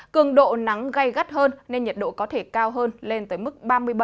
cường độ nắng gây gắt hơn nên nhiệt độ có thể cao hơn lên tới mức ba mươi bảy ba mươi tám